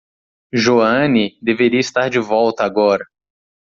Joanne deveria estar de volta agora.